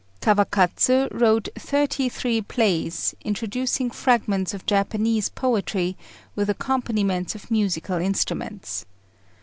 Kawakatsu wrote thirty three plays, introducing fragments of Japanese poetry with accompaniments of musical instruments.